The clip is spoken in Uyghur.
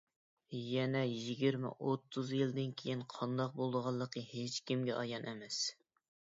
يەنە يىگىرمە-ئوتتۇز يىلدىن كېيىن قانداق بولىدىغانلىقى ھېچ كىمگە ئايان ئەمەس.